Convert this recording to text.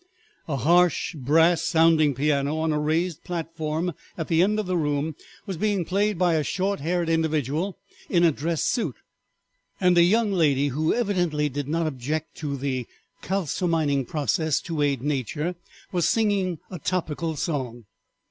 A harsh brass sounding piano on a raised platform at the end of the room was being played by a short haired individual in a dress suit, and a young lady who evidently did not object to the calsomining process to aid nature was singing a topical song.